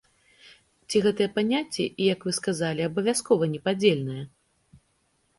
Ці гэтыя паняцці, як вы сказалі, абавязкова непадзельныя?